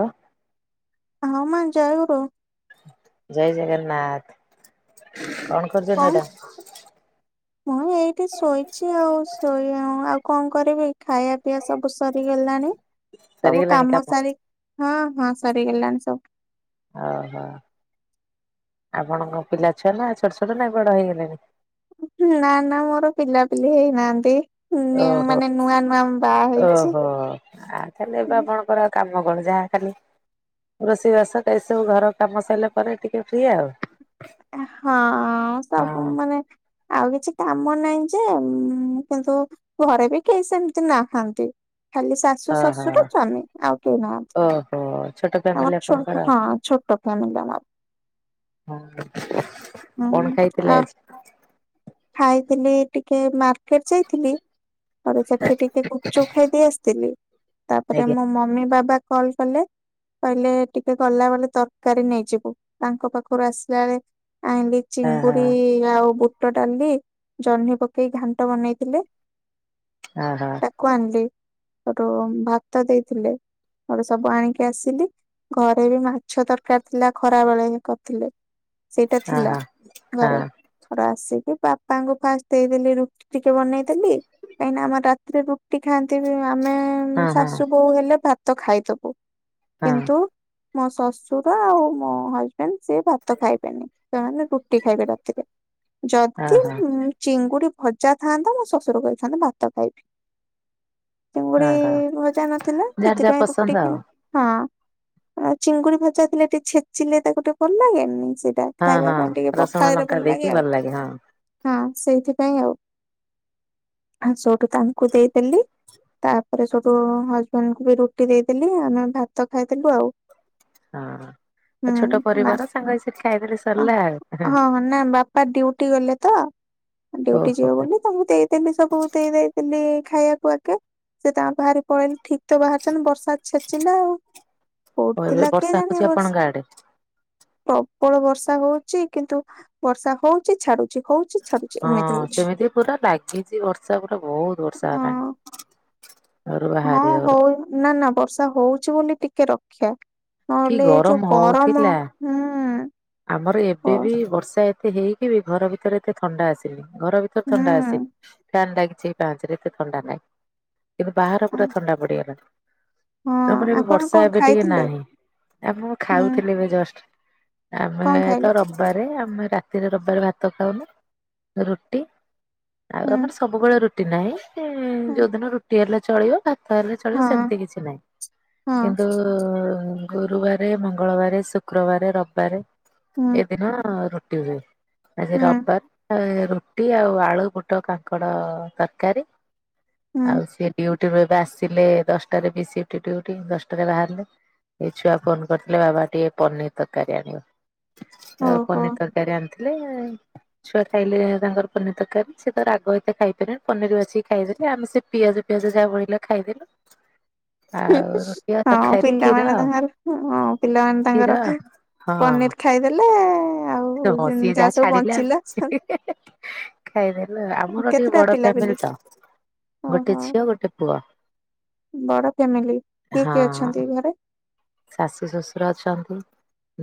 ଆଁ? ହଁ ମା ଜୟଗୁରୁ। ଜୟ ଜଗନ୍ନାଥ କଣ କରୁଚନ୍ତି କଣ ମ୍ୟାଡାମ? ମୁଁ ଏଇଠି ଶୋଇଚି ଆଉ ଶୋଇ ଆଁ ଆଉ କଣ କରିବି ଖାଇବା ପିଇବା ସବୁ ସରିଗଲାଣି ସବୁ କାମ ସାରି ହଁ ହଁ ସରିଗଲାଣି ସବୁ। ଓହୋ ଆପଣଙ୍କ ପିଲାଛୁଆ ନା ଛୋଟ ଛୋଟ ନା ବଡ ହେଇଗଲେଣି? ନା ନା ମୋର ପିଲାପିଲି ହେଇନାହାନ୍ତି। ନ୍ୟୁ ଓହୋ ମାନେ ନୂଆ ନୂଆ ମୁଁ ବାହେଇଚି ଓହୋ ଆ ତାହେଲେ ଏବେ ଉଁ। ଆପଣଙ୍କର କାମ କଣ ଯାହା ଖାଲି ରୋଷେଇ ବାସ ଏ ସବୁ ଘରକାମ ସଇଲାପରେ ଟିକେ ଫ୍ରି ଆଉ। ଏ ହଁ ଆଉ ହଁ ସବୁ ମାନେ ଆଉ କିଛି କାମ ନାହିଁ ଯେ ଉଁ କିନ୍ତୁ ଘରେ ବି କେହି ସେମତି ନାହାନ୍ତି ଖାଲି ଶା ଶୁ ଓହୋ ଶଶୁର ସ୍ୱାମୀ ଆଉ କେହି ନାହାନ୍ତି। ଓହୋ ଛୋଟ ଆମର ଫ୍ୟାମିଲି ଛୋ ଆପଣଙ୍କର ହଁ ଛୋଟ ଫ୍ୟାମିଲି ଆମର। ହଁ। ହୁଁ କଣ ଖାଇଥିଲେ ଆ ଆଜି ଖାଇଥିଲି ଟିକେ ମାର୍କେଟ ଯାଇଥିଲି ତାପରେ ସେଠି ଟିକେ ଗୁପଚୁପ୍ ଖାଇଦେଇ ଆସଥିଲି ତାପରେ ମୋ ଆଜ୍ଞା ମମି ବାବା କଲ୍ କଲେ କହିଲେ ଟିକେ ଗଲାବେଳେ ତରକାରୀ ନେଇଯିବୁ ତାଙ୍କ ପାଖରୁ ଆସ୍ ସିଲାବେଳେ ଆଣିଲି ଚିଙ୍ଗୁଡି ଆଉ ବୁ ବୁଟ ଡାଲି, ଜହ୍ନି ପକେଇ ଘାଣ୍ଟ ବନେଇ ଥିଲେ। ହଁ ହଁ। କୁ ଆଣିଲି। ହେଠୁ ଭାତ ଦେଇଥିଲେ [unintelligible] ସବୁ ଆଣିକି ଆସିଲି। ଘରେ ବି ମାଛ ଦରକାର ଥିଲା ଖରା ବେଳେ କରିଥିଲେ। ସେଇଟା ଥିଲା ହଁ ହଁ ଘରେ। ରେ ଆସିକି ବାପାଙ୍କୁ ଫାଷ୍ଟ ଦେଇଦେଲି ରୁଟି ଟିକେ ବନେଇଦେଲି। କାହିଁକିନା ଆମର ରାତିରେ ରୁ ଟି ଖାଆନ୍ତି। ଆମେ ହଁ ହଁ ହଁ ଶାଶୁ ହଁ ବୋହୂ ହେଲେ ଭାତ ଖାଇଦବୁ କିନ୍ତୁ ମୋ ଶଶୁର ଆଉ ମୋ ହଜବେଣ୍ଡ ସିଏ ଭାତ ତ ଖାଇବେନି ସେମାନେ ରୁଟି ଖାଇବେ ରାତିରେ। ହଁ ଯଦି ହଁ ଚିଙ୍ଗୁଡି ଭଜା ଥାଆନ୍ତା, ମୋ ଶ୍ୱଶୁର କହିଥାନ୍ତେ ଭାତ ଖାଇବି। ଚିଙ୍ଗୁଡ଼ି ହଁ ହଁ ଭଜା ନଥିଲା। ଯାହାର ଯାହା ସେଥିପାଇଁ ପସନ୍ଦ ରୁଟି ଖା ଆଉ ହଁ। ଚିଙ୍ଗୁଡ଼ି ଭଜା ଥିଲେ ଟିକେ ଛେଚିଲେ ତାକୁ ଟିକେ ଭଲ ଲାଗେ ନି, ସେ ଟା ହଁ ଖାଇବା ହଁ ପାଇଁ ଟିକେ ରସୁଣ ପଖାଳରେ ଲଙ୍କା ଭଲ ଦେଇକି ଲାଗେ ଆଉ। ହଁ ହଁ ସେଇଥିପାଇଁ ଆଉ। ହଁ ସୋଉଠୁ ତାଙ୍କୁ ଦେଇ ଦେଲି। ତାପରେ ସଉଠୁ ହଜବେଣ୍ଡ କୁ ବି ରୁଟି ଦେଇ ଦେଲି। ଆମେ ଭାତ ଖାଇଦେଲୁ ଆଉ। ହଁ। ହୁଁ ଆଉ ଛୋଟ ମା ପରିବାର ସାଙ୍ଗ ହେଇ ସେଠି ଖାଇଦେଲେ। ସରିଲା ଆଉ। ହଁ ନା ବାପା ଡ୍ୟୁଟି ଗଲେ ତ, ଡିଉଟି ଓହୋ ଯିବେ ହୋ ବୋଲି ସବୁ ଦେଇଦେଲି ସବୁ ଦେଇ ଦାଇକି ଖାଇବାକୁ ଆଗେ। ସେ ତାଙ୍କର ବାହାରି ପଳେଇଲେ। ଠିକ ତ ବାହାରିଛନ୍ତି ବର୍ଷା ଛେଚିଲା ଆଉ। କୋଉଠି ଏବେ ଥିଲା ବର୍ଷା କେଜାଣି ଏ ବର୍ଷା [unintelligible] ପ୍ରବଳ ବର୍ଷା ହଉଛି। କିନ୍ତୁ ବର୍ଷା ହଉ ଛି, ଛାଡ଼ୁଛି, ହଉଛି ଛାଡୁଛି ହଁ ଏମିତି ହଉଛି। ସେମିତି ପୁରା ଲାଗିଛି ବର୍ଷା ପୁରା ବହୁତ ବର୍ଷା ହେଲାଣି। ହଁ। ଘରୁ ହଁ ବାହାରି ହଉନି ହଉ ନା ନା ବର୍ଷା ହଉଛି ବୋଲି ଟିକେ ରକ୍ଷା। କି ନହେଲେ ଏ ଯୋଉ ଗରମ ଗରମ ହଉଥିଲା ହୁଁ। ଆମର ଓ ଏବେ ବି ବର୍ଷା ଏତେ ହେଇକି ବି, ଘର ଭିତରେ ଏତେ ଥଣ୍ଡା ଆସିନି। ଘର ଭିତରେ ଥଣ୍ଡା ଆସି ହୁଁ ଫ୍ୟାନ୍ ଲାଗିଛି ପାଞ୍ଚରେ ଏତେ ଥଣ୍ଡା ନାହିଁ। କିନ୍ତୁ ବାହାର ଆ- ପୁରା ଥଣ୍ଡା ପଡ଼ିଗଲାଣି। ହଁ ତମର ଏବେ ଆପଣ ବର୍ଷା କଣ ଏବେ ଟିକେ ଖାଇଥିଲେ ନାହିଁ। ଆଉ ମୁଁ ହୁଁ ଖାଉଥିଲି ଏବେ ଜଷ୍ଟ। ଆମେ କଣ ତ ଖାଇଲେ ରବିବାରେ ଆମେ ରାତିରେ ରବିବାରେ ଭାତ ଖାଉନୁ ରୁଟି। ଆଉ ହୁଁ ଆମର ସବୁବେଳେ ରୁଟି ନାହିଁ। ହୁଁ ଯୋଉଦିନ ରୁଟି ହେଲା ଚଳିବ, ଭା ତ ହେଲେ ଚଳିବ ହଁ ସେମିତି କିଛି ନାହିଁ। ହଁ କିନ୍ତୁ ଗୁରୁବାର, ମଙ୍ଗଳବାର, ଶୁକ୍ରବାର, ରବିବାରେ ହୁଁ ଏ ଦିନ ରୁଟି ହୁଏ। ଆଜି ହୁଁ ରବିବାର [unintelligible] ରୁଟି ଆଉ ଆଳୁ, ବୁଟ, କାଙ୍କଡ ତରକାରୀ। ହୁଁ ଆଉ ସିଏ ଡ୍ୟୁଟି ରୁ ଏବେ ଆସିଲେ, ଦଶଟାରେ ବି ସିପ୍ଟ ଡ୍ୟୁଟି ଦଶଟାରେ ବାହାରିଲେ। ଏ ଛୁଆ ଫୋନ କରିଥିଲେ ବାବା ଟିକେ ପନିର ତରକାରୀ ଆଣିବ। ଆ ଓହୋ ପନିର ତରକାରୀ ଆଣିଥିଲେ। ଛୁଆ ଖାଇଲେ ତାଙ୍କର ପନିର ତରକାରୀ, ସେ ତ ରାଗ ଏତେ ଖାଇ ପାରିବେନି ପନିର ବାଛିକି ଖାଇ ଦେଲେ। ଆମେ ସେ ପିଆଜ ପିଆଜ ଯାହା ବଳିଲା ଖାଇଦେଲୁ। ଆଉ ରୁଟି ଆଉ ହଁ ତରକାରୀ କ୍ଷୀର ପିଲାମାନେ ତାଙ୍କର ହଁ ପିଲାମାନେ କ୍ଷୀର ତାଙ୍କର ହଁ ପନିର ଖାଇଦେଲେ। ଆଉ ହଁ ସିଏ ଯାହା ସବୁ ଛାଡ଼ିଲେ ବଞ୍ଚିଲା ଆ ଖାଇ ଦେଲୁ। ଆମର ଟିକେ କେତେଟା ବଡ଼ ପିଲା ପିଲି ଫ୍ୟାମିଲି ତ। ଗୋଟେ ଝିଅ ଗୋଟେ ପୁଅ। ବଡ଼ ଫ୍ୟାମିଲି? କିଏ ହଁ କିଏ ଅଛନ୍ତି ଘରେ? ଶାଶୁ, ଶଶୁର ଅଛନ୍ତି,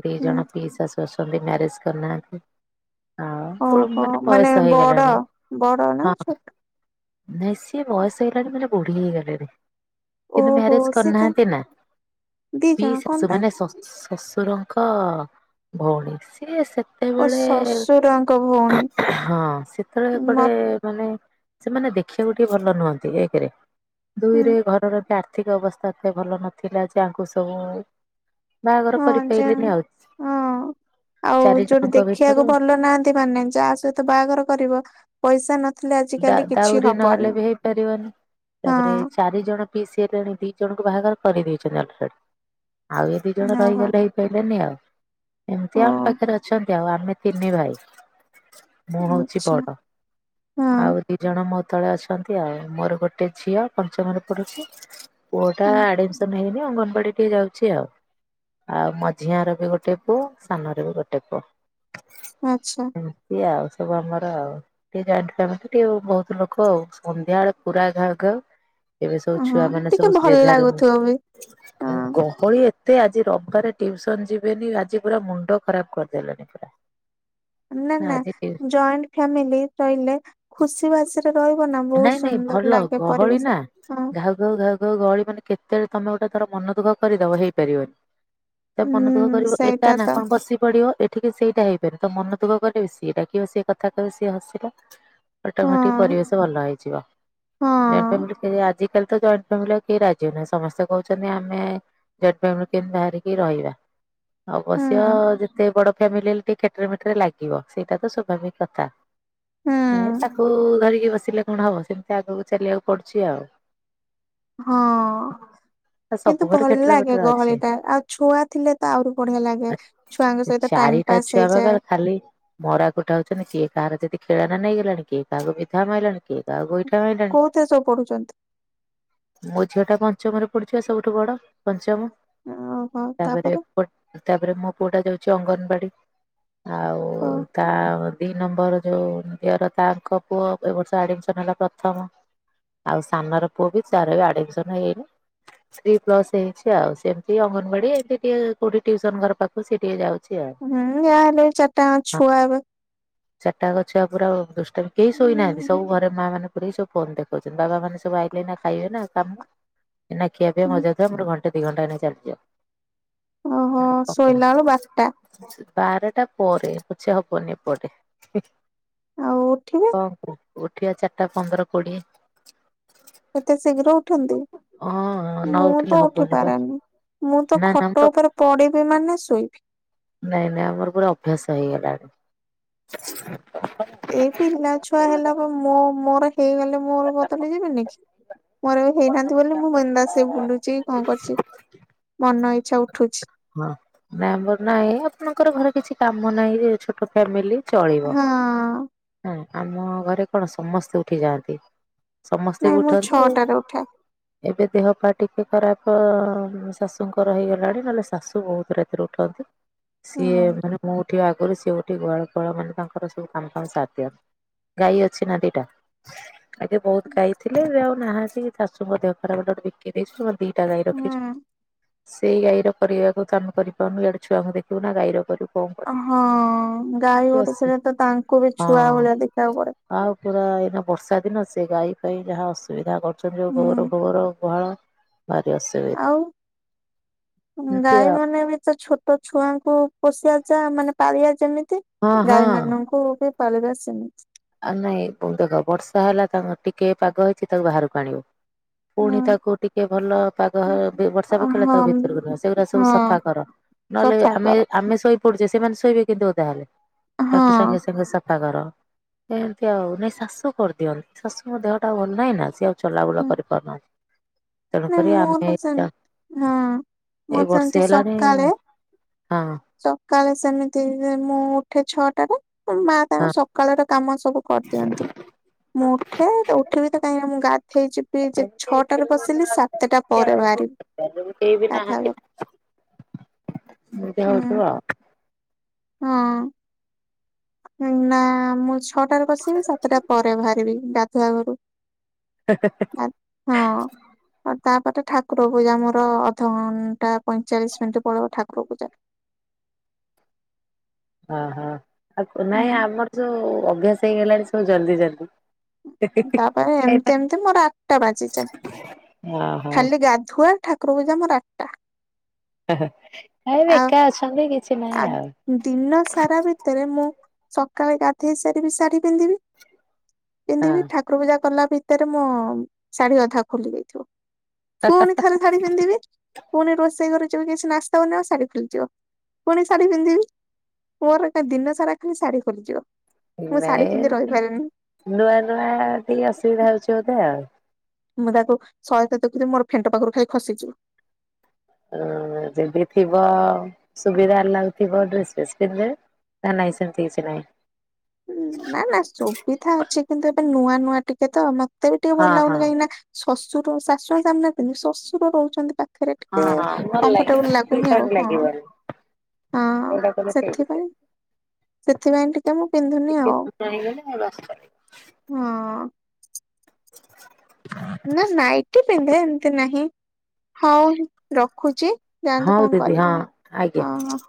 ଦି ହୁଁ ଜଣ ପି ଶାଶୁ ଅଛନ୍ତି ମ୍ୟାରେଜ କରିନାହାନ୍ତି। [unintelligible] ଓହୋ ମାନେ ବୟସ ବଡ ହେଇଗଲାଣି। ବଡ ନା ହଁ। ଛୋଟ ନାଇଁ ସିଏ ବୟସ ହେଇଗଲାଣି ମାନେ ବୁଢ଼ୀ ହେଇଗଲେଣି। କିନ୍ତୁ ଓହୋ ମ୍ୟାରେଜ ସେ କା କରିନାହାନ୍ତି ନା। ଦି ପି ଜଣ କଣ ଶାଶୁ ପାଇଁ ମାନେ ଶ-ଶଶୁରଙ୍କ ଭଉଣୀ। ସିଏ ସେ ଓ ସେତେବେଳେ ଶଶୁରଙ୍କ ଭଉଣୀ ହଁ ସେତେବେଳେ ମ କୁଆଡ଼େ ମାନେ ସେମାନେ ଦେଖିବାକୁ ଟିକେ ଭଲ ନୁହନ୍ତି ଏକେରେ ଦୁଇରେ ଘରର ଟ୍ୟାଗ ଆର୍ଥିକ ଅବସ୍ଥା ଏତେ ଭଲ ନଥିଲା ଯେ ଆଙ୍କୁ ସବୁ। ବାହାଘର କରି ହଁ ଯା ପାଇଲେନି ଆଉ ଛ। ହଁ। ଆଉ ଯୋଉଠି ଦେଖିବାକୁ ଭଲ ନାହାନ୍ତି ମାନେ ଯାହା ସହିତ ବାହାଘର କରିବ। ପଇସା ନଥିଲେ ଆ ଦାର କଉରି ନହେଲେ ବି ହେଇପାରିବନି ତାପରେ ଏଇ ହଁ ଚାରି ଜଣ। ପି ସିଏ ତେଣିକି ଦି ଜଣଙ୍କୁ ବାହାଘର କରିଦେଇଛନ୍ତି ଅଲରେଡି ଆଉ ଏ ଦି ଜଣ ଓହୋ ରହିଗଲେ ହେଇ। ହେଲେନି ଆଉ ଓ ଏମିତି ଆମ ପାଖରେ ଅଛନ୍ତି ଆଉ ଆମେ ତିନି ଭାଇ। ମୁଁ ହଉଛି ଆଚ୍ଛା ବଡ। ହଁ ଆଉ ଦି ଜଣ ମୋ ତଳେ ଅଛନ୍ତି ଆଉ ମୋର ଗୋଟେ ଝିଅ ପଞ୍ଚମରେ ପଢୁଛି। ପୁଅଟା ହଁ ଆଡମିସନ ହେଇନି ଅଙ୍ଗନବାଡି ଟିକେ ଯାଉଚ୍। ଚି ଆଉ ଆଉ ମଝିଆର ବି ଗୋଟେ ପୁଅ ସାନର ବି ଗୋଟେ ପୁଅ। ଆଚ୍ଛା। ଏମତି ଆଉ ସବୁ ଆମର ଆଉ ଟିକେ ଜଏଣ୍ଟ। ସେମିତି ଟିକେ ବୋହୁତ ଲୋକ ଆଉ ସନ୍ଧ୍ୟାବେଳେ ପୁରା ଘାଉ ଘାଉ। ଏବେ ସବୁ ଓହୁଁ ଛୁଆ ମାନେ ସବୁ ଟିକେ ଭଲ ଜେଝା ରୁମ୍ ଲାଗୁଥିବ ବି। ହଁ ଗହଳି ଏତେ ଆଜି ରବିବାରେ ଟିଉସନ ଯିବେନି ଆଜି ପୁରା ମୁଣ୍ଡ ଖରାପ କରିଦେଲେଣି ପା। ନା ନା ଜଏଣ୍ଟ ଫ୍ୟାମିଲି କହିଲେ। ଖୁସି ବାସିରେ ରହିବ ନା ବହୁତ ନାଇଁ ନାଇଁ ଭଲ ସୁନ୍ଦର ଲାଗେ ଗହଳି ପରିବେଶ ନା ହଁ। ଘାଉ ଘାଉ ଘାଉ ଗହଳି ମାନେ କେତେବେଳେ ତମେ ଗୋଟେ ଧର ମନ ଦୁଖ କରିଦବ ହେଇପାରିବନି। ମନ ଦୁଃଖ ହୁଁ କରିବ ଏକା ସେଇଟା ନା ତ କଣ ବସିି ପଡିବ ଏ ଟିକେ ସେଇଟା ହେଇପାରନି ତମେ ମନ ଦୁଖ କରିବ ସିଏ ଡାକିବା ସିଏ କଥା କିିହିବ ସିଏ ହସିଲା। ଅଟାମୋଟେକି ହଁ। ପରିବେଶ ଭଲ ହେଇଯିବ ଜଏଣ୍ଟ ହଁ ଫେମିଲି କେହି ଆଜ କାଲି ତ ଜଏଣ୍ଟ ଫାମିଲ କିଏ ରାଜି ହେଉନାହାନ୍ତି ସମସ୍ତେ କହୁଛନ୍ତି ଆମେ ଜଏଣ୍ଟ ଫାମିଲ ରୁ କେମତି ବାହାରିକି ରହିବା। ହୁଁ ଅବଶ୍ୟ ଯେତେ ବଡ ଫ୍ୟାମିଲି ହେଲେ ଟିକେ ଖେଟରେ ମେଟରେ ଲାଗିବ ସେଇଟା ତ ସ୍ୱାଭାବିକ କଥା। ହୁଁ। ନାଇଁ ତାକୁ ଧରିକି ବସିଲେ କଣ ହବ ସେମିତି ଆଗକୁ ଚାଲିବାକୁ ପଡୁଛି ଆଉ। ହଁ। କିନ୍ତୁ ସବୁ ଭଲ ଘରେ ଖେଟରେ ଲାଗେ ମେଟରେ ଗହଳି ଅଛି ଟା ଆଉ ଛୁଆ ଥିଲେ ତ ଆହୁରି ବଢିଆ ଲାଗେ। ଛୁଆଙ୍କ ସହିତ ଟାଇମ ଚାରିଟା ପାସ୍ ଛୁଆ ବା ହେଇଯାଏ ଘର ଖାଲି। ମରା କୁଟା ହୋଉଛନ୍ତି କିଏ କାହାର ଯଦି ଖେଳନା ନେଇଗଲାଣି କି କାହାକୁ ବିଧା ମାଇଲାଣି କିଏ ତ କାହାକୁ ଗୋଇଠା ମାଇଲାଣି। କୋଉଥିରେ ସବୁ ପଢୁଛନ୍ତି? ମୋ ଝିଅ ଟା ପଞ୍ଚମରେ ପଡିୁଛି ପା ସବୁଠୁ ବଡ ପଞ୍ଚମ ତାପରେ ଏପଟ ତାପରେ ମୋ ପୁଅ ଟା ଯାଉଛି ଅଙ୍ଗନବାଡି ଆଉ ଓ ତା ଦି ନମ୍ବର ଯୋଉ ଦିଅର ତାଙ୍କ ପୁଅ ଏ ବର୍ଷ ଆଡମିସନ ହେଲା ପ୍ରଥମ ଆଉ ସାନ ର ପୁଅ ବି ତାର ବି ଆଡମିସନ ହେଇନି। ଥ୍ରୀ ପ୍ଲସ ହେଇଛି ଆଉ ସେମିତି ଅଙ୍ଗନବାଡି ଏମିତି ଟିକେ କୋଉଠି ଟିଉସନ ଘର ପାଖକୁ ସି ଟିକେ ଯାଉଛି ଆଉ। ହୁଁ ୟା ହେଲେ ଚାରିଟାଙ୍କ ଛୁଆ ହେବେ। ଚାରିଟା ଙ୍କ ଛୁଆ ପୁରା ଉ ଦୁଷ୍ଟାମି କେହି ଶୋଇନାହାନ୍ତି ହୁଁ ସବୁ ଘରେ ମା ମାନେ ସବୁ ସୋଇକି ଦେଖୋଉଛନ୍ତି ବାବା ମାନେ ସବୁ ଆଇଲେ ନା ଖାଇବେ ନା କାମ ଏଇନା ଖିଆ ପିଆ ହୁଁ। ମଜା ଧୁଆ ମୋର ଘଣ୍ଟେ ଦି ଘଣ୍ଟା ଏଇନା ଚାଲିଯିବ। ଓହୋ ଶୋଇଲା ବେଳୁ ବାରଟା ବାରଟା ପରେ ପଛେ ହବନି ଏପଟେ। ଉଁ। ଆଉ ଉଠିବେ। ହ କୁଅ ଉଠିବା ଚାରିଟା ପନ୍ଦର କୋଡିଏ। ଏତେ ଶୀଘ୍ର ଉଠନ୍ତି ହଁ ନ ମୁଁ ଉଠିଲେ ତ ଉଠି ହବନି ବା ପାରେନି। ମୁଁ ତ ନା ନା ଆମର ଖଟ ଉପରେ ପଡିବି ମାନ ଶୋଇବି। ନାଇଁ ନାଇଁ ଆମର ପୁରା ଅଭ୍ୟାସ ହେଇଗଲାଣି। ଏଇ ପିଲା ଛୁଆ ହେଲା ପ ମୋ ମୋର ହେଇଗଲେ ମୋର ମୁଁ ବଦଳି ଯିବିନି କି ମୋର ଏବେ ହେଇନାହାନ୍ତି ବୋଲି ମୁଁ ବିନ୍ଦାସ ହେଇକି ବୁଲୁଛି କି କଣ କରୁଛି ମନ ଇଛା ଉଠୁଛି। ହଁ ମେମ୍ବର ନାଇଁ ଆପଣଙ୍କର ଘରେ କିଛି କାମ ନାଇଁ ବି ଛୋଟ ଫ୍ୟାମିଲି ଚଳିବ ହଁ ଆମ ଘରେ କଣ ସମସ୍ତେ ଉଠି ଯାଆନ୍ତି। ସମସ୍ତେ ନାଇଁ ବି ମୁଁ ଉଠନ୍ତି ଛଅଟାରେ ଉଠେ। ଏବେ ଦେହ ପା ଟିକେ ଖରାପ ଶାଶୁଙ୍କର ହେଇଗଲାଣି ନହେଲେ ଶାଶୁ ବହୁତ ରାତିରୁ ଉଠନ୍ତି ସିଏ ହୁଁ। ମାନେ ମୁଁ ଉଠିବା ଆଗରୁ ସିଏ ଉଠି ଗୁହାଳ ଫୁହାଳ ମାନେ ତାଙ୍କର ସବୁ କାମ ଫାମ ସାରି ଦିଅନ୍ତି। ଗାଈ ଅଛି ନା ଦିଟା ଆଗେ ବହୁତ ଗାଇଥିଲେ ଏବେ ଆଉ ନାହାଁନ୍ତି ଶାଶୁଙ୍କ ଦେହ ଖରାପ ହେଲାଠୁ ବିକି ଦେଇଛୁ ଜମା ଦି ଟା ଗାଈ ରଖିଛୁ ହୁଁ ସେଇ ଗାଈର କରିବାକୁ ତ ଆମେ କରିପାରୁନୁ ଇଆଡେ ଛୁଆଙ୍କୁ ଦେଖିବୁ ନା ଗାଈର କରିବୁ କଣ କରିବୁ। ହଁ ଗାଈ ଅସୁ ଗୋରୁୁଥିଲେ ତ ତାଙ୍କୁ ବି ହଁ। ଛୁଆ ଭଳିଆ ଦେଖିବାକୁ ପଡେ। ଆଉ ପୁରା ଏଇନା ବର୍ଷା ଦିନ ସେ ଗାଈ ପାଇ ଯାହା ଅସୁବିଧା କର୍ ଛନ୍ତି ହୁଁ ଗୋବର ଫୋବର ଗୁହାଳ ଭାରି ଅସୁବିଧା ଆଉ ଏମିତି ଗାଈ ଆଉ ମାନେ ବି ତ ଛୋଟ୍ ଟ ଛୁଆଙ୍କୁ ପୋଷିଆ ଯା ମାନେ ପାଳିଆ ଯେମିତି ହଁ ଗାଈ ହଁ। ମାନଙ୍କୁ ବି ପାଳିବା ସେମିତି। ଆଉ ନାଇଁ ପୁଣି ଦେଖ ବର୍ଷା ହେଲା ତାଙ୍କ ଟିକେ ପାଗ ହେଇଛି ତାକୁ ବାହାରକୁ ଆଣିବ। ପୁଣି ହଁ ତାକୁ ଟିକେ ଭଲ ପାଗ ବର୍ଷା ପକେଇଲା ତାକୁ ହଁ ଭିତରକୁ ନିଅ ସେଗୁରା ହଁ ସବୁ ସଫା କର ନହେଲେ ସଫା ଆମେ କର ଆମେ ଶୋଇପଡୁଛେ ସେମାନେ ଶୋଇବେ କେମିତି ଓଦା ହେଲେ ତାକୁ ସାଙ୍ଗେ ହଁ। ସାଙ୍ଗେ ସଫା କର। ଏନ୍ତି ଆଉ ନାଇଁ ଶାଶୁ କରିଦିଅନ୍ତି ଶାଶୁଙ୍କ ଦେହଟା ଭଲ ନାହିଁ ନା ସିଏ ଆଉ ଚଲାବୁଲା କରିପାରୁନାହାଁନ୍ତି। ନା ତେଣୁକରି ଆମେ ମୋର ସେମ ଏଟା ହଁ ମୋର ଏଇ ସେମିତି ବର୍ଷେ ହେଲାଣି ସକାଳେ ହଁ। ସକାଳେ ସେମିତିରେ ମୁଁ ଉଠେ ଛଅଟାରେ ମା ହଁ ତାଙ୍କ ସକାଳର କାମ ସବୁ କରିଦିଅନ୍ତି। ମୁଁ ଉଠେ ତ ଉଠି ବିି ତ କାହିଁକ ମୁଁ ଗାଧଇଯିବି ଏମିତି ଛଅଟାରେ ବସ୍ କେହି ବି ଗାଧୁଆ ନାହାଁନ୍ତି ଘରୁ ନା [inaudible] [unintelligible] ହୁଁ ଆଉ ହଁ। ନା ନା ମୁଁ ଛଅଟାରେ ପସିବି ସାତଟା ପରେ ବାହାରିବି ଗାଧୁଆ ଘରୁ। ହେ ହେ ହେ। ହଁ। ତାପରେ ଠାକୁର ପୂଜା ମୋର ଅଧଘଣ୍ଟା ପଇଁଚାଳିଶ ମିନିଟ ପଳେଇବ ଠାକୁର ପୂଜା ଅହ ଆଉ ନାଇଁ ହୁଁ ଆମର ସବୁ ଅଭ୍ୟାସ ହେଇଗଲାଣି ସବୁ ଜଲଦି ଜଲଦି ତାପରେ ଏମିତି ଏମିତି ମୋର ଆଠଟା ବାଜିଯାଏ ଓହୋ ଖାଲି ଗାଧୁଆ ଠା ଠାକୁର ପୂଜା ମୋର ଆଠଟା। ଏହେ ଆମର ଆଉ ଏକା ଅଛନ୍ତି କିଛି ଆ ନାହିଁ ଆଉ ଦିନ ସାରା ଭିତରେ ମୁଁ ସକାଳେ ଗାଧେଇ ସାରିବି ଶାଢୀ ପିନ୍ଧିବି ହଁ ପିନ୍ଧିବି ଠାକୁର ପୂଜା କଲା ଭିତରେ ମୋ ଶାଢୀ ଅଧା ଖୋଲି ଯାଇଥିବ। ପୁଣି ଥରେ ଶାଢୀ ପିନ୍ଧିବି ପୁଣି ରୋଷେଇ ଘରକୁ ଯିବି କିଛି ନାସ୍ତା ବନେଇବାକୁ ଶାଢୀ ଖୋଲିଯିବ ପୁଣି ଶାଢୀ ପିନ୍ଧିବି ମୋର ଏକା ଦିନ ସାରା ଖାଲି ଶାଢୀ ଖୋଲିଯିବ। ମୁଁ ଶାଢୀ ନାଇଁ ପିନ୍ଧି ରହିପାରିବିନି। ନୂଆ ନୂଆ ଟିକେ ଅସୁବିଧା ହଉଛି ବୋଧେ ଆଉ ମୁଁ ତାକୁ ଶହେ ଥର ଟେକୁଥିବି ମୋର ଫେଣ୍ଟ ପାଖରୁ ଖାଲି ଖସିଯିବ। ଅଁ ଯଦି ଥିବ ସୁବିଧା ଲାଗୁଥିବ ଡ୍ରେସ ଫ୍ରେସ ପିନ୍ଧିଦେବେ। ନା ନାଇଁ ସେିମିତି କିଛି ନାହିଁ। ହୁଁ ନା ନା ସୁବିଧା ଅଛି କିନ୍ତୁ ଏବେ ନୂଆ ନୂଆ ଟିକେ ତ ମତେ ବି ଟିକେ ହଁ ଭଲ ହଁ ଲାଗୁନି କାହିଁକି ନା ଶ୍ୱଶୁର ଶାଶୁ ସାମନାରେ ପିନ୍ଧିବି ଶଶୁର ରହୁଛନ୍ତି ପା ପାଖରେ ହଁ ଟିକେ ହଁ ଭଲ ଲାଗିବ କମ୍ଫର୍ଟେବୁଲ କି ଲାଗୁନି ଆଉ ଟାଇମ୍ ହଁ ଲାଗିବନି। ହଁ ଯୋଉଟା କହିଲେ ଠିକ୍ ସେ ସେଥିପାଇଁ -ସେଥିପାଇଁ ଟି ଏ ମୁଁ ପିନ୍ଧୁନି ଟିକେ ଆଉ ଫାଙ୍କା ହେଇଗଲେ ଆଉ ବାସ୍ ଚଲେଇବ। ହଁ। ନା ନାଇଟି ପିନ୍ଧେ ଏମିତି ନାହିଁ ହଉ ରଖୁଚି ଯାଆନ୍ତୁ ହଉ କଣ ଦିଦି ହଁ କରିବେ ଆଜ୍ଞା। ହଁ- ହଁ।